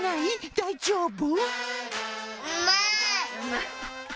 大丈夫？